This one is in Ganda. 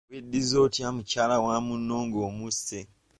Weddiza otya mukyala wa munno ng'omusse?